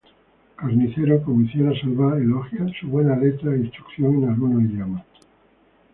Carnicero, como hiciera Salvá, elogia su "buena letra e instrucción en algunos idiomas".